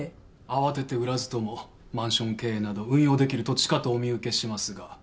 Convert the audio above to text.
慌てて売らずともマンション経営など運用できる土地かとお見受けしますが。